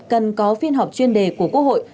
cần có phiên họp chuyên đề của quốc hội